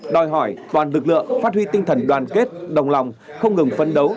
đòi hỏi toàn lực lượng phát huy tinh thần đoàn kết đồng lòng không ngừng phấn đấu